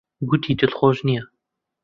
گوتی دڵخۆش نییە.